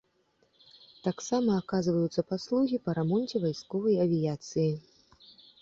Таксама аказваюцца паслугі па рамонце вайсковай авіяцыі.